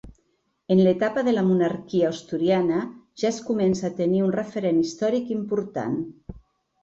En l'etapa de la monarquia Asturiana ja es comença a tenir un referent històric important.